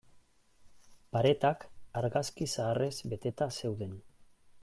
Paretak argazki zaharrez beteta zeuden.